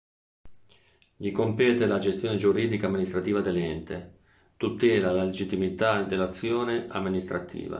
Gli compete la gestione giuridica amministrativa dell'ente, tutela la legittimità dell'azione amministrativa.